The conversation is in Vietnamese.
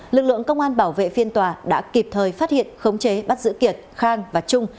lực lượng công an bảo vệ phiên tòa đã kịp thời phát hiện khống chế bắt giữ kiệt khang và trung